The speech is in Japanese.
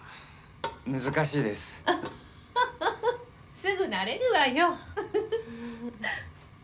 すぐ慣れるわよフフフ。